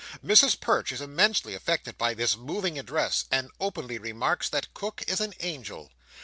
Mrs Perch is immensely affected by this moving address, and openly remarks that Cook is an angel.